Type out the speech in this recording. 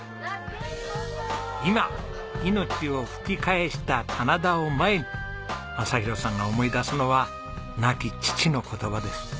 今命を吹き返した棚田を前に雅啓さんが思い出すのは亡き父の言葉です。